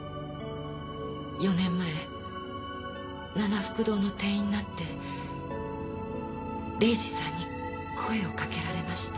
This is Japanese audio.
４年前ななふく堂の店員になって礼司さんに声をかけられました。